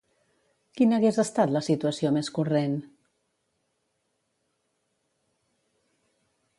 Quina hagués estat la situació més corrent?